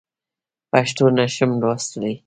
پښتو نه شم لوستلی.